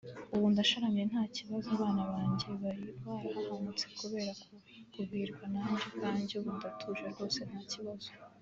ubu ndasharamye nta kibazo abana banjye bari barahahamutse kubera kuvirwa nanjye ubwanjye ubu ndatuje rwose nta kibazo